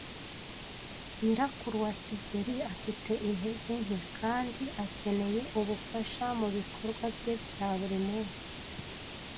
Nyirakuru wa kigeli afite intege nke kandi akeneye ubufasha mubikorwa bye bya buri munsi.